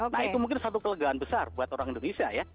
nah itu mungkin satu kelegaan besar buat orang indonesia ya